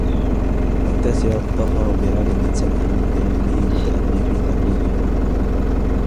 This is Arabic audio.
وَالتَّاسِعُ الظَّفَرُ بِعَالِمٍ سَمْحٍ بِعِلْمِهِ مُتَأَنٍّ فِي تَعْلِيمِهِ